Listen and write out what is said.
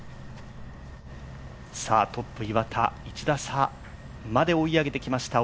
トップ岩田、１打差まで追い上げてきました